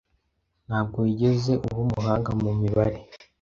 Ntabwo wigeze uba umuhanga mu mibare.